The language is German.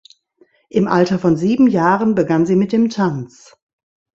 Im Alter von sieben Jahren begann sie mit dem Tanz.